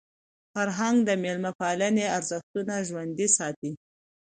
فرهنګ د میلمه پالني ارزښتونه ژوندۍ ساتي.